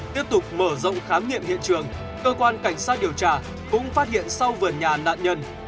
tiếp tục mở rộng khám nghiệm hiện trường cơ quan cảnh sát điều tra cũng phát hiện sau vườn nhà nạn nhân